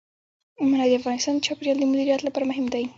منی د افغانستان د چاپیریال د مدیریت لپاره مهم دي.